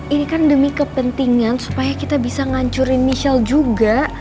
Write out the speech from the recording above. ini kan demi kepentingan supaya kita bisa ngancurin michelle juga